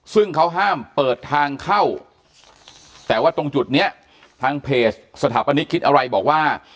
ซึ่งเขาห้ามเปิดทางเข้าแต่ว่าตรงจุดเนี้ยทางเพจสถาปนิกคิดอะไรบอกว่า